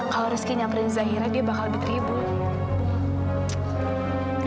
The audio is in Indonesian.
kalau rezekinya perintah zahira dia bakal betribul